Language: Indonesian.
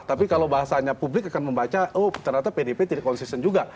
tapi kalau bahasanya publik akan membaca oh ternyata pdp tidak konsisten juga